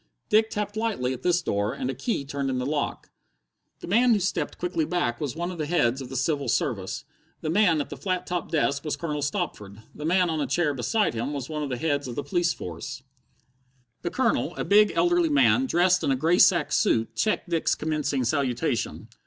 Dick tapped lightly at this door, and a key turned in the lock. The man who stepped quickly back was one of the heads of the Civil Service. The man at the flat topped desk was Colonel Stopford. The man on a chair beside him was one of the heads of the police force. The Colonel, a big, elderly man, dressed in a grey sack suit, checked Dick's commencing salutation.